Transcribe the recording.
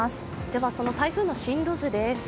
ではその台風の進路図です。